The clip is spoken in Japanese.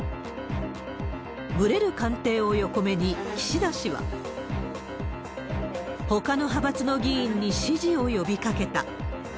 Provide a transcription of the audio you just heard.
ぶれる官邸を横目に、岸田氏はほかの派閥の議員に支持を呼びかけた。